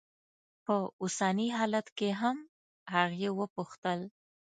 په اوسني حالت کې هم؟ هغې وپوښتل.